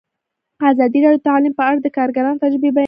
ازادي راډیو د تعلیم په اړه د کارګرانو تجربې بیان کړي.